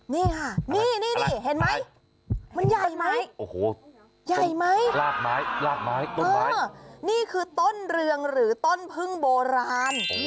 นี่ค่ะนี่เห็นไหมมันใหญ่ไหมใหญ่ไหมนี่คือต้นเรืองหรือต้นพึ่งโบราณ